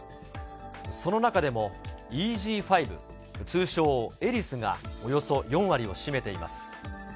その中でもＥＧ．５、通称エリスがおよそ４割を占めています。